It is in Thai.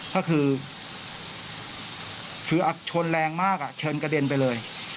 ก็คือคืออัดชนแรงมากเชิญกระเด็นไปเลย